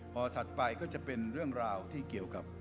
พอถัดไปก็จะเป็นเรื่องราวที่เกี่ยวกับ